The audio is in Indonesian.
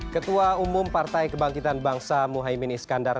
ketua umum partai kebangkitan bangsa muhaymin iskandar